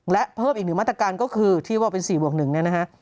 และเพิ่มอีกหนึ่งมาตรการก็คือที่ว่าเป็น๔บวก๑เนี่ยนะฮะ